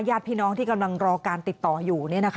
ญาติพี่น้องที่กำลังรอการติดต่ออยู่